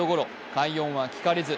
快音は聞かれず。